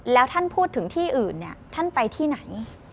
แล้วท่านพูดถึงที่อื่นเนี่ยท่านไปที่ไหน